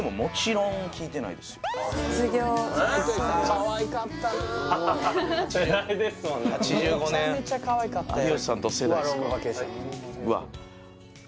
うわっ